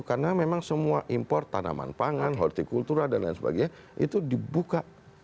karena memang semua impor tanaman pangan hortikultura dan lain sebagainya itu dibuka